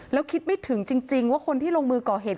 แล้วคิดไม่ถึงจริงว่าคนที่ลงมือก่อเหตุ